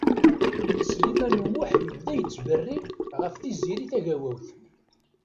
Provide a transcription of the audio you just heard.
Sliman U Muḥ yebda yettberri ɣef Tiziri Tagawawt.